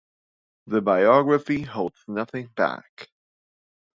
The biography holds nothing back.